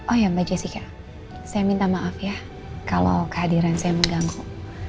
oh ya mbak jessica saya minta maaf ya kalau kehadiran saya mengganggu